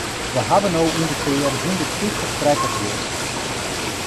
We ha no ûngefear hondert fyftich trekkers hjir.